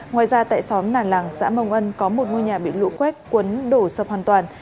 ngoài ra tại xóm nàng làng xã mông ân có một ngôi nhà bị lũ quét cuốn đổ sập hoàn toàn